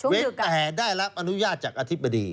แต่ได้รับอนุญาตจากอธิบดี